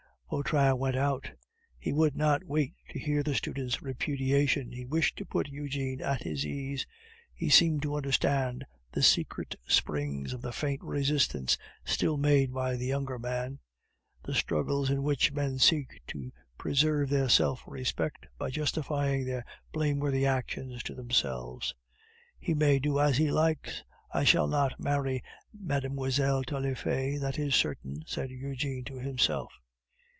Vautrin went out. He would not wait to hear the student's repudiation, he wished to put Eugene at his ease. He seemed to understand the secret springs of the faint resistance still made by the younger man; the struggles in which men seek to preserve their self respect by justifying their blameworthy actions to themselves. "He may do as he likes; I shall not marry Mlle. Taillefer, that is certain," said Eugene to himself.